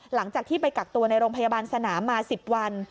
หลังจากที่ไปกักตัวในโรงพยาบาลสนามมา๑๐วัน